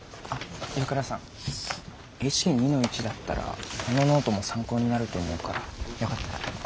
岩倉さんＨＫ２−１だったらこのノートも参考になると思うからよかったら。